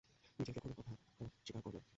মিচেলকে খুনের কথা তো স্বীকার করলোই।